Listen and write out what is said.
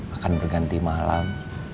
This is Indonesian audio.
akan berganti malam